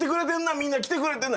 「みんな来てくれてるな」